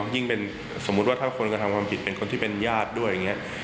ยิ่งเป็นสมมุติว่าถ้าคนก็ทำความผิดเป็นคนที่เป็นยาดด้วย